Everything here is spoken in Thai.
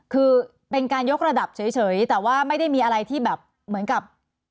คือเป็นการยกระดับเฉยแต่ว่าไม่ได้มีอะไรที่แบบเหมือนกับ